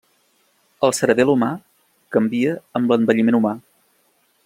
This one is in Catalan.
El cerebel humà canvia amb l'envelliment humà.